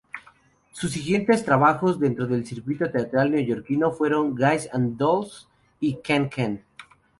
Sus siguientes trabajos dentro del circuito teatral neoyorquino fueron "Guys and Dolls" y "Can-Can".